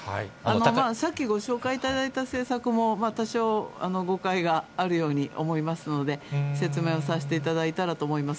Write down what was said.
さっきご紹介いただいた政策も多少、誤解があるように思いますので、説明をさせていただいたらと思います。